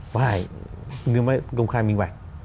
phải công khai minh bạch